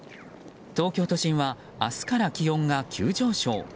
東京都心は明日から気温が急上昇。